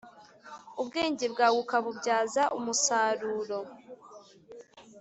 ubwenge bwawe ukabubyaza umusaruro.